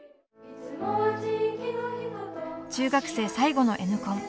中学生最後のＮコン。